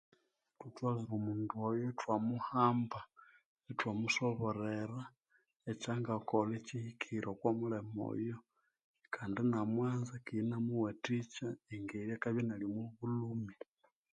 Thutholere omundu oyo ithwamuhamba ithwamusoborera ekyangakolha ekyihikire okwa mulema oyo kandi inamwanza keghe inamuwathikya engeri akabya inali omwa bulhumi.